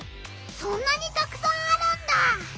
そんなにたくさんあるんだ！